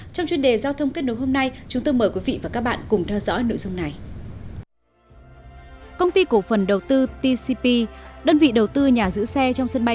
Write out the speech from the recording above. trong chuyên đề giao thông kết nối hôm nay chúng tôi mời quý vị và các bạn cùng theo dõi nội dung này